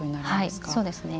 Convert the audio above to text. はい、そうですね。